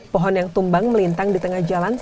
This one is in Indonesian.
pohon yang tumbang melintang di tengah jalan